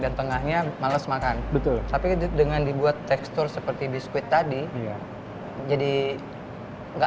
dan tengahnya males makan betul tapi dengan dibuat tekstur seperti biskuit tadi jadi nggak